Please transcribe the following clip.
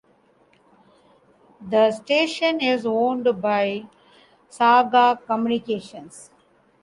The station is owned by Saga Communications.